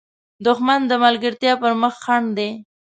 دښمن د ملګرتیا پر مخ خنډ دی